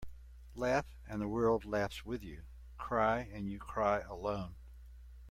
Laugh and the world laughs with you. Cry and you cry alone.